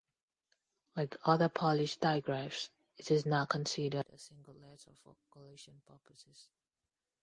Like other Polish digraphs, it is not considered a single letter for collation purposes.